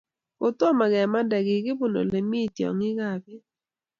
Kotomo kemande, kikibun ole mii tiongik ab pek